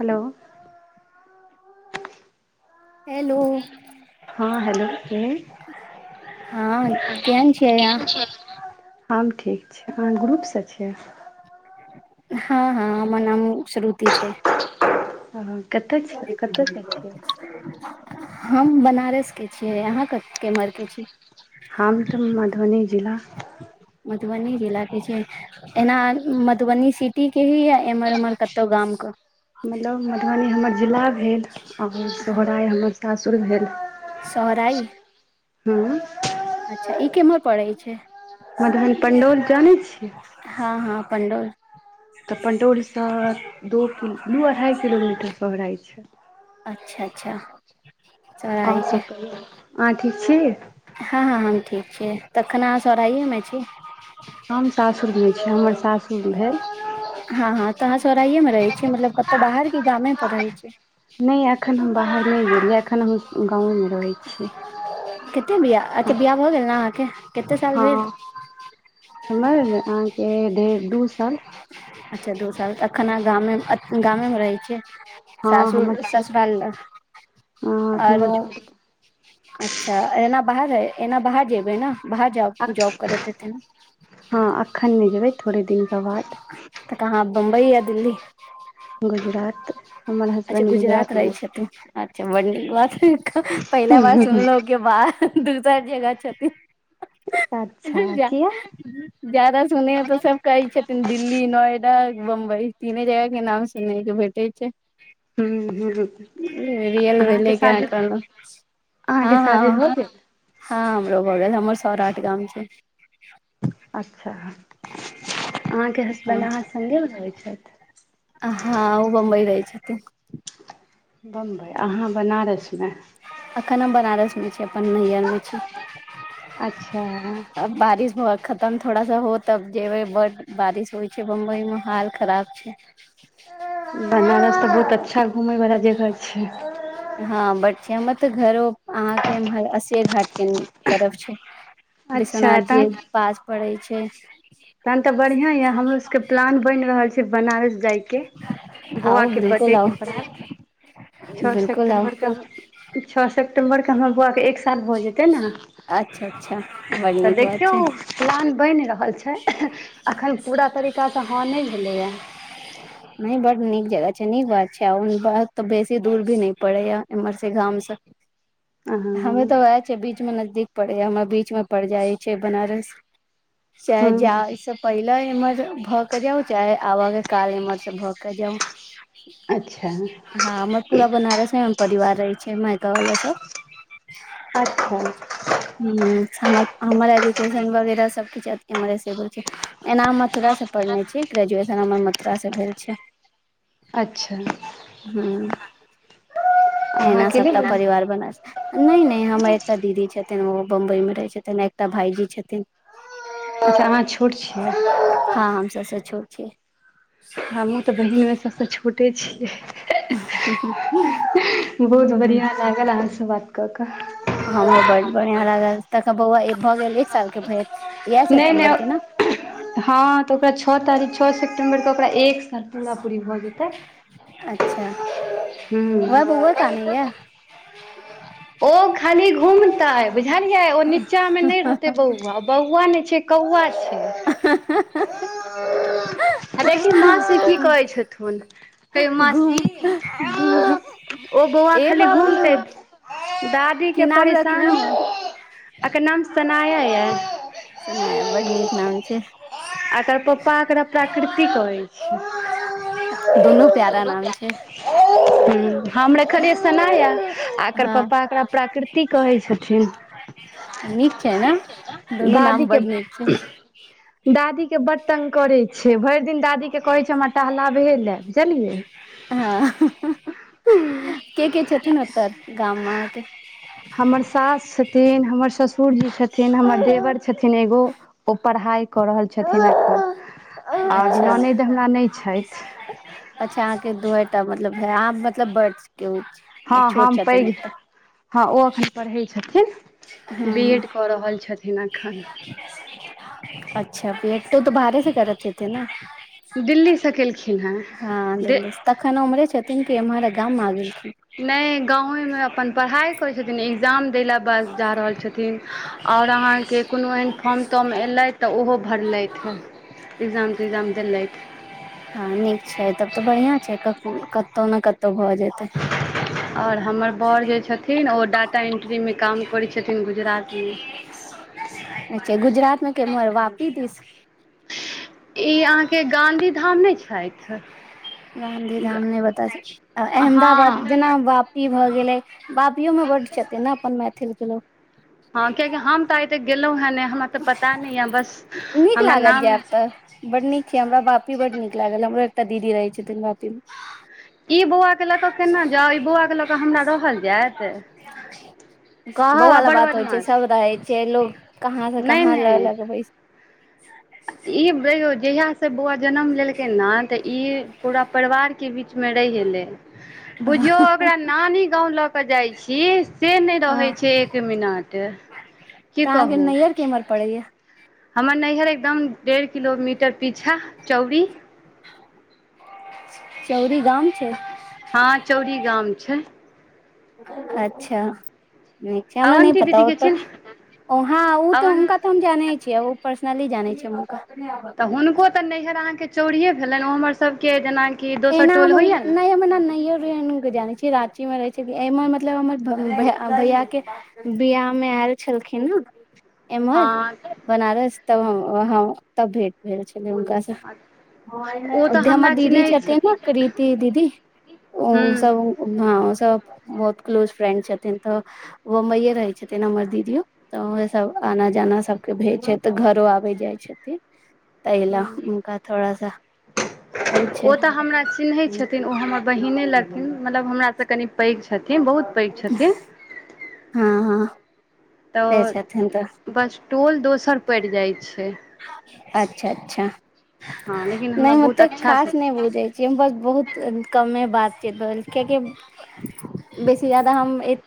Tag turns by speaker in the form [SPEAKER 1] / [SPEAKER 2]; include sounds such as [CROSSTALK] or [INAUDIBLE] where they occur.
[SPEAKER 1] Hello
[SPEAKER 2] hello
[SPEAKER 1] हँ hello के
[SPEAKER 2] हँ
[SPEAKER 1] ह
[SPEAKER 2] केहन छियै
[SPEAKER 1] केन
[SPEAKER 2] अहाँ
[SPEAKER 1] छै [UNINTELLIGIBLE] हम ठीक छी अहाँ ग्रुप सँ छियै
[SPEAKER 2] हँ हँ हमर नाम श्रुति छै
[SPEAKER 1] ह कतय छियै कतय जाय छियै
[SPEAKER 2] हम बनारस के छियै अहाँ केम्हर के छियै
[SPEAKER 1] हम तऽ मधुबनी जिला
[SPEAKER 2] मधुबनी जिला के छी एना मधुबनी सिटी के ही या एम्हर उम्हर कतहु गाम के
[SPEAKER 1] मतलब मधुबनी हमर जिला भेल और सोहराय हमर सासुर भेल
[SPEAKER 2] सोहराय
[SPEAKER 1] हूं
[SPEAKER 2] अच्छा ई केम्हर पड़ै छै
[SPEAKER 1] मदन पण्डौल जानै छियै
[SPEAKER 2] हँ हँ पणडोल
[SPEAKER 1] तऽ पणडौलसँ दू किलो दू अढ़ाइ किलोमीटर पहराइत छै
[SPEAKER 2] अच्छा अच्छा
[SPEAKER 1] और
[SPEAKER 2] सोहराइ के
[SPEAKER 1] सब कहियौ अहाँ ठीक छी
[SPEAKER 2] हँ हँ हम ठीक छी तखन अहाँ सोराहएमे छी
[SPEAKER 1] हम सासुरमे छी हमर सासुर भेल
[SPEAKER 2] हँ हँ तऽ अहाँ सौराइये मे रहै छी मतलब कतो बाहर की गामे पर रहै छी
[SPEAKER 1] नहि एखन हम बाहर नहि गेलियै एखन हम गांवे मे रहैत छियै
[SPEAKER 2] कतेक बिया अच्छा बियाह भऽ गेल ने अहाँके कतेक साल भेल
[SPEAKER 1] हँ हमर अहाँके ढेर दू साल
[SPEAKER 2] अच्छा दू साल एखन गामे गामे रहै छियै
[SPEAKER 1] हँ
[SPEAKER 2] सासुर
[SPEAKER 1] हमर छोट
[SPEAKER 2] ससुराल ल
[SPEAKER 1] हँ एखन हमर
[SPEAKER 2] आरो
[SPEAKER 1] छोट
[SPEAKER 2] अच्छा एना बाहर रहय एना बाहर जेबै ने बाहर जाब
[SPEAKER 1] आ हँ एखन नै जेबै थोड़े दिन
[SPEAKER 2] त तऽ अहाँ बम्बई या दिल्ली
[SPEAKER 1] गुजरात हमर हसबैंड गुजरात मे रहै
[SPEAKER 2] अच्छा बड निक बात पहिला बार सुनलोह के बा दोसर जगह छथिन
[SPEAKER 1] रहै। अच्छा
[SPEAKER 2] जा
[SPEAKER 1] किया
[SPEAKER 2] ज्यादा सुनै हं तो सब कहै छथिन दिल्ली नोएडा बम्बई तीने जगह के नाम सुनै छी भरि ठीक छै
[SPEAKER 1] हू ह्म
[SPEAKER 2] रियल भेले के कहलहु
[SPEAKER 1] अहाँके
[SPEAKER 2] हँ
[SPEAKER 1] शादी
[SPEAKER 2] हँ
[SPEAKER 1] भऽ गेल
[SPEAKER 2] हँ हमरो भऽ हमरो सौराठ गाम छै
[SPEAKER 1] अच्छा अहाँके
[SPEAKER 2] हँ
[SPEAKER 1] हसबैंड अहाँ संडेमे रहबै छथि
[SPEAKER 2] हँ ह बम्बई रहै छथिन
[SPEAKER 1] बम्बइ अहाँ बनारसमे
[SPEAKER 2] एखन हम बनारस मे छी अपन नैहरमे छी
[SPEAKER 1] अच्छा हं
[SPEAKER 2] अब बारिश ब खतम थोड़ा सा हो तब जेबै बड बारिश होइ छै बम्बई मे हाल खराब छै
[SPEAKER 1] बनारस तऽ बहुत अच्छा घुमयवला जगह छै
[SPEAKER 2] हँ बट हमर तऽ घरो अहाँके अस्सी घाट के तरफ छै
[SPEAKER 1] अच्छा
[SPEAKER 2] विश्वनाथ जी पास पड़ै छै
[SPEAKER 1] प्लान ते बढ़िया ये हमरो सब के प्लान बनि रहल छै बनारस जाय के के बौआ
[SPEAKER 2] आउ
[SPEAKER 1] के
[SPEAKER 2] बिलकुल
[SPEAKER 1] बर्थडे
[SPEAKER 2] आउ
[SPEAKER 1] के बाद छओ
[SPEAKER 2] बिलकुल आउ
[SPEAKER 1] सेप्टेम्बर के छः सेप्टम्बरके हमर बौआ एक साऋ भऽ जेतै ने
[SPEAKER 2] अच्छा अच्छा बड
[SPEAKER 1] तऽ
[SPEAKER 2] नीक बात
[SPEAKER 1] देखियौ
[SPEAKER 2] छै
[SPEAKER 1] पुरान बनि रहल छै अखन पूरा तरीकासँ हँ नहि भेलैए
[SPEAKER 2] [INAUDIBLE] नहि बड नीक जगह छै नीक बात छै आ ब तऽ बेसी दूर भी नहि पड़ैया एमहर सबके गामसँ
[SPEAKER 1] हँ
[SPEAKER 2] हमे
[SPEAKER 1] हूँ
[SPEAKER 2] तऽ वएह छै बीच मे नजदीक पड़ै हमरा बीच मे पड़ जाइ छै बनारस सहजा [UNINTELLIGIBLE] से पहिले इम्हर भऽ के जाउ चाहे आबय के काल इम्हर से भऽ के जाउ
[SPEAKER 1] अच्छा
[SPEAKER 2] हँ हमर पूरा बनारस मे हम परिवार रहै छै मायका वाला सब
[SPEAKER 1] अच्छा
[SPEAKER 2] ह्म हमर हमर एजुकेशन वगैरह सब किछु इम्हरे से होल छै एना हम मथुरा से पढ़ने छी ग्रेजुएशन हमर मथुरा से भेल छै
[SPEAKER 1] अच्छा
[SPEAKER 2] हूं एना
[SPEAKER 1] अहाँके नहि
[SPEAKER 2] सबटा
[SPEAKER 1] बहिन
[SPEAKER 2] परिवार बना छै नहि नहि हमर एकटा दीदी छथिन ओ बम्बई में रहैत छथिन आ एकटा भाईजी छथिन
[SPEAKER 1] अच्छा अहाँ छोट छियै
[SPEAKER 2] हँ हम सबसँ छोट छियै
[SPEAKER 1] हमहूँ तऽ बहिनमे सभसँ छोटे छियै अहं हं ह्ह बहुत बढ़ियां लागल अहाँसँ बात कऽ कऽ
[SPEAKER 2] हमरो बड बढ़ियां लागल तखन बौआ भऽ गेल एक साल के भेल इएह
[SPEAKER 1] नहि
[SPEAKER 2] सितम्बर के ने
[SPEAKER 1] नहि हँ तऽ ओकरा छः तारीख छः सेप्टेंबर के ओकरा एक पूरा पूरी भऽ जेतै
[SPEAKER 2] अच्छा वएह बौआ कानै या
[SPEAKER 1] ह्म ओ खाली घूमतै बुझलियै ओ नीचा मे नहि रहते बौआ बौआ ने छै कौआ छै
[SPEAKER 2] अ ह्ह हं
[SPEAKER 1] देखेकिन माँ से की कहै छथुन कहियौ मासी
[SPEAKER 2] घूम घूम
[SPEAKER 1] [UNINTELLIGIBLE] ओ बौआ
[SPEAKER 2] ए
[SPEAKER 1] खाली
[SPEAKER 2] बाबू
[SPEAKER 1] घुमतै द दादी
[SPEAKER 2] की
[SPEAKER 1] के
[SPEAKER 2] नाम
[SPEAKER 1] परेशान
[SPEAKER 2] रखलहुँ
[SPEAKER 1] एकर नाम सनाया
[SPEAKER 2] सनाया बड़ नीक नाम छै
[SPEAKER 1] एकर पप्पा एकरा प्रकृति कहैत छै
[SPEAKER 2] दुनू प्यारा नाम छै
[SPEAKER 1] ह्म हम रखलियै शनाया आ एकर
[SPEAKER 2] हँ
[SPEAKER 1] पापा एकरा प्राकृति की कहै छथिन
[SPEAKER 2] नीक छै ने दुनू
[SPEAKER 1] दादी
[SPEAKER 2] नाम
[SPEAKER 1] के
[SPEAKER 2] बड नीक छै
[SPEAKER 1] दादी के बड तंग करै छै भरि दिन दादी के कहै छै हमरा टहलाबहे ल‌ए बुझलियै
[SPEAKER 2] हँ
[SPEAKER 1] अह
[SPEAKER 2] के के छथुन ओतह गाममे
[SPEAKER 1] हमर सास छथिन हमर ससुरजी छथिन हमर देवर छथिन एगो ओ पढ़ाइ कऽ रहल छथिन एखन और
[SPEAKER 2] अच्छा
[SPEAKER 1] ननदि हमरा नहि छथि
[SPEAKER 2] अच्छा अहाँके दुयेटा मतलब है अहां मतलब बड के ओ छै
[SPEAKER 1] हँ हम पैघ हँ ओ एखन पढ़ै छथिन
[SPEAKER 2] हूँ
[SPEAKER 1] बी
[SPEAKER 2] हूँ
[SPEAKER 1] एड कऽ रहल छथिन अखन
[SPEAKER 2] अच्छा [UNINTELLIGIBLE] तऽ बाहरे से करत हेतै ने
[SPEAKER 1] दिल्लीसँ केलखिन हेँ
[SPEAKER 2] हँ दिल्ली सँ तखन ओम्हरे छथिन कि एम्हर गाम मे आ गेलखिन
[SPEAKER 1] नहि गाँवेमे अपन पढ़ाई करै छथिन एक्जाम दैला बस जा रहल छथिन आओर अहाँके कोनो एहन फॉर्म तर अलहि तऽ ओहो भरलैथि एग्जाम तेग्जाम देलैथि।
[SPEAKER 2] हँ नीक छैय तब तऽ बढ़िआँ छैय क कतहु ने कतहु भऽ जेतै।
[SPEAKER 1] और हमर बौड़ जे छथिन ओ डाटा एन्ट्रीमे काम करैत छथिन गुजरातमे।
[SPEAKER 2] अच्छा गुजरात मे केम्हर वापी दिस?
[SPEAKER 1] ई अहाँके गाँधी धाम नै छथि?
[SPEAKER 2] गांधी धाम ने बता आ अहमदाबाद
[SPEAKER 1] हँ
[SPEAKER 2] जेना वापी भए गेलै बापियोमे बड्ड छथिन ने अपन मैथिलके लोक।
[SPEAKER 1] हँ कियकि हम तऽ आय तक गेलहुं हेँ ने हमरा तऽ पता नहि य बस
[SPEAKER 2] नीक
[SPEAKER 1] हमरा
[SPEAKER 2] लागत
[SPEAKER 1] नाम
[SPEAKER 2] जायब तऽ बड नीक छैय हमरा बापी बड नीक लागल हमरो एकटा दीदी रहै छथिन बापी मे।
[SPEAKER 1] ई बौआ के ल जायत
[SPEAKER 2] कह
[SPEAKER 1] बौआ
[SPEAKER 2] वाला
[SPEAKER 1] बड़
[SPEAKER 2] बात होइ छैय से।
[SPEAKER 1] बदमाश
[SPEAKER 2] सब रहै छैय लोक।
[SPEAKER 1] नहि नहि ई [UNINTELLIGIBLE] जहिय से बौआ जनम लेलकै न तऽ ई पूरा परिवार के बीचमे रहि एलै।
[SPEAKER 2] [UNINTELLIGIBLE]
[SPEAKER 1] बुझियौ ओकरा नानी गाँव लऽ कऽ जाइ छी से नहि रहै
[SPEAKER 2] हँ
[SPEAKER 1] छैय एक मिनट। की कहू।
[SPEAKER 2] [UNINTELLIGIBLE] पड़ैैया।
[SPEAKER 1] हमर नैहर एकदम डेढ़ किलोमीटर पीछा चौरी।
[SPEAKER 2] चौरी गाम। छै
[SPEAKER 1] हँ चौरी गाम छैय।
[SPEAKER 2] अच्छा नीक छैय हमरा नहि
[SPEAKER 1] अवन्ती
[SPEAKER 2] पता ओ
[SPEAKER 1] दीदीके
[SPEAKER 2] तऽ
[SPEAKER 1] छै ने
[SPEAKER 2] वहाँ ओ तऽ
[SPEAKER 1] अवन
[SPEAKER 2] हुनका हम जानै छियै ओ पर्सनली जानै छियै हम हुनका।
[SPEAKER 1] तऽ हुनको तऽ नैहर अहाँके चोरिए भेलनि ओ हमरसभके जेनाकि दोसर
[SPEAKER 2] एना
[SPEAKER 1] टोल होइए ने
[SPEAKER 2] [UNINTELLIGIBLE] कि जानै छी रांची मे रहै छैय कि एहिमे मतलब हमर भ भै भैया के बियाह मे आयल छलखिन ने। एमहर
[SPEAKER 1] हँ
[SPEAKER 2] बनारस तब हँ तब भेंट भेल छलै हुनका स।
[SPEAKER 1] ओ
[SPEAKER 2] ओत
[SPEAKER 1] तऽ
[SPEAKER 2] हमर
[SPEAKER 1] हमरा
[SPEAKER 2] दीदी
[SPEAKER 1] चिन्है
[SPEAKER 2] छते ने
[SPEAKER 1] छथिन
[SPEAKER 2] कृति दीदी ओ
[SPEAKER 1] हूँ
[SPEAKER 2] सभ हँ ओ सब बहुत क्लोज फ्रेंड छथिन तऽ बम्बइए रहै छथिन हमर दीदियो। तऽ उहे सभ आना जाना सभके भेज छैय तऽ घरो आबै जाइ छथिन। तहिला हुनका थोड़ा सा
[SPEAKER 1] ओ
[SPEAKER 2] छै
[SPEAKER 1] तऽ हमरा चिन्हैत छथिन ओ हमर बहिने लगथिन मतलब हमरास कनि पैघ छथिन बहुत पैघ छथिन।
[SPEAKER 2] हँ हँ से
[SPEAKER 1] तऽ
[SPEAKER 2] छथिन तऽ
[SPEAKER 1] बस टोल दोसर पड़ि जाइ छैय।
[SPEAKER 2] अच्छा अच्छा
[SPEAKER 1] हँ लेकिन
[SPEAKER 2] नहि
[SPEAKER 1] हमरा बहुत
[SPEAKER 2] ओते
[SPEAKER 1] अच्छासँ
[SPEAKER 2] खास नहि बुझै हम बस बहुत कमे बात [UNINTELLIGIBLE] रहल कियकि बेसी ज्यादा हम ए